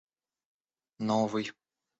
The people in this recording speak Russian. новый